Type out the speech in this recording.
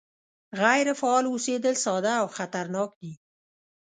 غیر فعال اوسېدل ساده او خطرناک دي